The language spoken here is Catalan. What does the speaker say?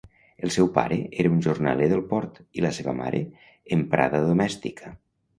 El seu pare era un jornaler del port, i la seva mare emprada domèstica.